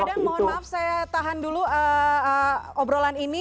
pak dam mohon maaf saya tahan dulu obrolan ini